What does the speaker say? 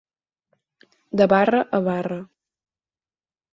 De barra a barra.